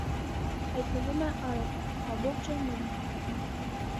Հայտնվում է արևը, ամբողջը նույնն է դառնում։